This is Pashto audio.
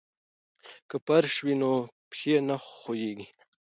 که فرش وي نو پښې نه ښویېږي.